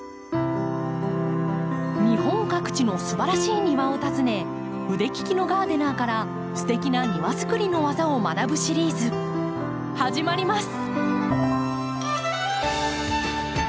日本各地のすばらしい庭を訪ね腕利きのガーデナーからすてきな庭づくりの技を学ぶシリーズ始まります！